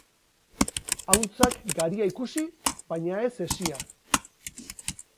Ahuntzak garia ikusi, baina ez hesia.